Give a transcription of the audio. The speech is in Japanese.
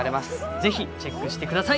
ぜひチェックして下さい。